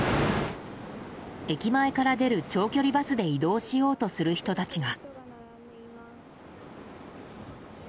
駅前から出る長距離バスで移動しようとする人たちが。